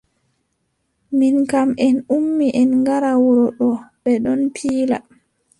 Minin kam en ummi en ngara wuro ɗo. bee ɗon pila.